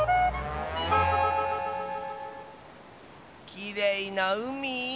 きれいなうみ。